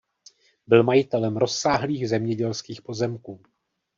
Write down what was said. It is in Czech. Byl majitelem rozsáhlých zemědělských pozemků.